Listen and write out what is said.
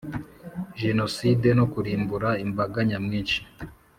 Jenoside no kurimbura imbaga nyamwinshi